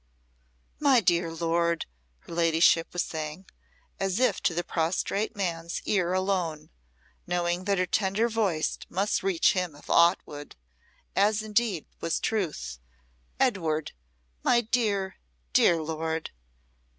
"My dear lord," her ladyship was saying, as if to the prostrate man's ear alone, knowing that her tender voice must reach him if aught would as indeed was truth. "Edward! My dear dear lord!"